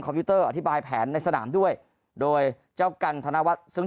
พิวเตอร์อธิบายแผนในสนามด้วยโดยเจ้ากันธนวัฒน์ซึ่ง